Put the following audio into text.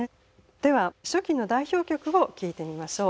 では初期の代表曲を聴いてみましょう。